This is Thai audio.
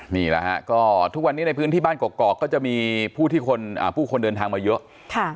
นี่แหละฮะก็ทุกวันนี้ในพื้นที่บ้านกอกก็จะมีผู้ที่ผู้คนเดินทางมาเยอะ